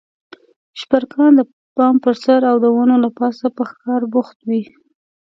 شپرکان د بام پر سر او د ونو له پاسه په ښکار بوخت وي.